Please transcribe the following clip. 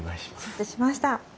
承知しました。